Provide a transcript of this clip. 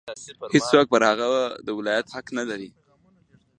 هېڅوک پر هغه د ولایت حق نه لري.